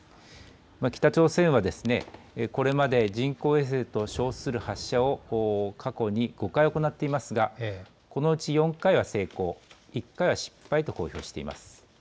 北朝鮮はこれまで人工衛星と称する発射を過去に５回行っていますがこのうち４回は成功、１回は失敗と公表しています。